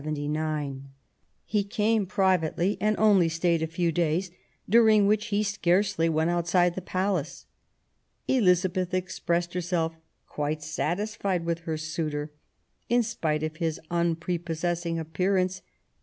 H® came privately and only stayed a few days, during which he scarcely went outside the palace. Elizabeth expressed herself quite satisfied with her suitor, in spite of his unprepossessing appearance.